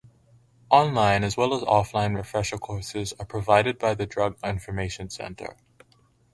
Online as well as offline refresher courses are provided by the Drug Information Center.